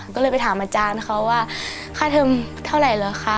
ก็เลยไปถามอาจารย์เขาว่าค่าเทิมเท่าไหร่เหรอคะ